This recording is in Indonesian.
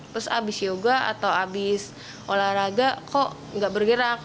terus abis yoga atau habis olahraga kok nggak bergerak